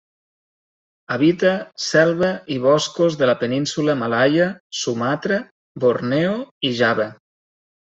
Habita selva i boscos de la Península Malaia, Sumatra, Borneo i Java.